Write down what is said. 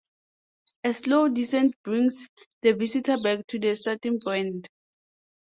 A slow descent brings the visitor back to the starting point.